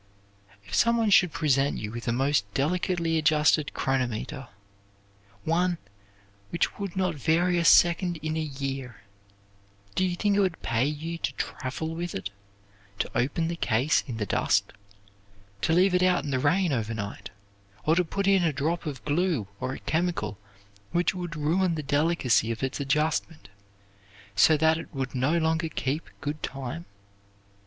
If some one should present you with a most delicately adjusted chronometer, one which would not vary a second in a year do you think it would pay you to trifle with it, to open the case in the dust, to leave it out in the rain overnight, or to put in a drop of glue or a chemical which would ruin the delicacy of its adjustment so that it would no longer keep good time?